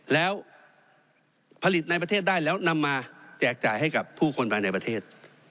แล้วผลิตในประเทศได้แล้วนำมาแจกจ่ายให้กับผู้คนภายในประเทศ